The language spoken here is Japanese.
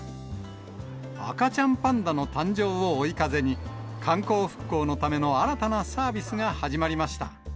赤ちゃんパンダの誕生を追い風に、観光復興のための新たなサービスが始まりました。